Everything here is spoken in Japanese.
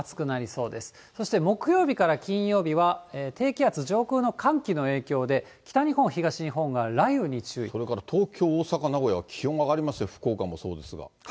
そして木曜日から金曜日は、低気圧、上空の寒気の影響で、北日本、それから東京、大阪、名古屋は気温が上がりますね、福岡もそうですが。